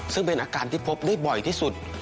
ซึ่งเป็นอาการที่พบได้บ่อยที่สุด